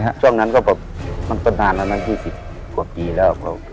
บ๊วยบ๊วยช่วงนั้นก็ประมาณ๒๐กว่าปีแล้ว